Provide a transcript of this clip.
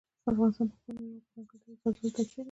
افغانستان په خپلو مېوو او په ځانګړي ډول زردالو تکیه لري.